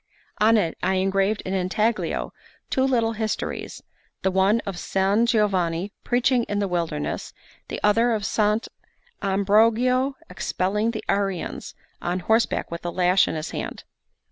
On it I engraved in intaglio two little histories, the one of San Giovanni preaching in the wilderness, the other of Sant' Ambrogio expelling the Arians on horseback with a lash in his hand.